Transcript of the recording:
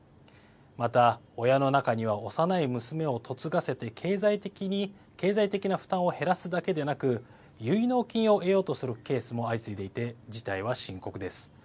また親の中には幼い娘を嫁がせて経済的な負担を減らすだけでなく結納金を得ようとするケースも相次いでいて事態は深刻です。